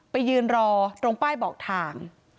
ไปยืนรอตรงป้ายบอกทาง